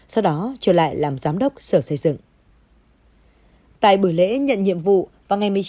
sau đó trở lại làm giám đốc sở xây dựng tại bữa lễ nhận nhiệm vụ vào ngày một mươi chín một mươi hai hai nghìn hai mươi một